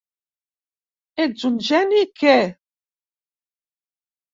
Ets un geni que!